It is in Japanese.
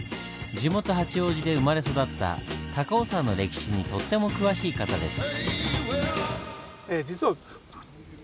地元八王子で生まれ育った高尾山の歴史にとっても詳しい方です。